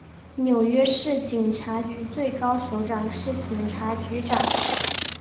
纽约市警察局最高首长是警察局长。